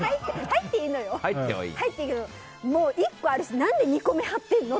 入っていいけど、１個あるし何で２個目貼ってるの？